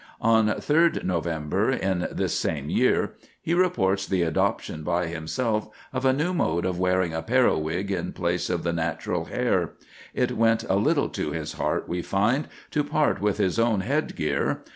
On 3d November, in this same year, he reports the adoption by himself of the new mode of wearing a periwig in place of the natural hair. It went a little to his heart, we find, to part with his own head gear.